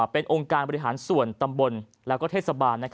เป็นองค์การบริหารส่วนตำบลและเทศบาล